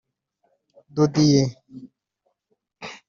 de Dieu